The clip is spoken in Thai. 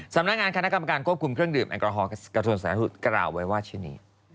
สำนักงานคณะกรรมการควบคุมเครื่องดื่มแอลกอฮอลกระทรวงสาธารณสุขกล่าวไว้ว่าชิ้นนี้